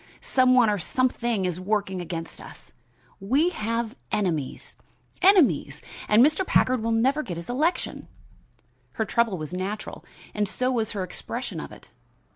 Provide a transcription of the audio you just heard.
Some one or something is working against us. We have enemies enemies, and Mr. Packard will never get his election." Her trouble was natural and so was her expression of it.